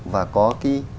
và có cái